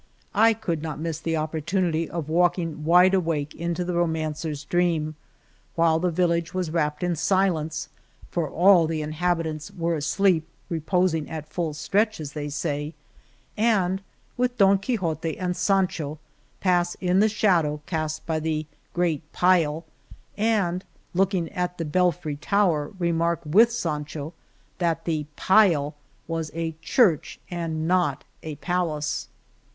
I could not miss the opportunity of walking wide awake into the romancer's dream, "while the village was wrapt in silence, for all the inhab itants were asleep — reposing at full stretch — as they say," and with Don Quixote and Sancho pass in the shadow cast by the great pile" and, looking at the belfry tower, re mark with Sancho that the pile was a church and not a palace.